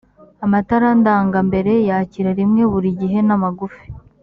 amatara ndangambere yakira rimwe buri gihe n’amagufi